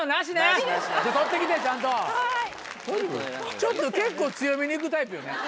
ちょっと結構強めに行くタイプよね。